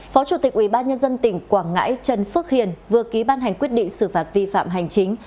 phó chủ tịch ubnd tỉnh quảng ngãi trần phước hiền vừa ký ban hành quyết định xử phạt vi phạm hành chính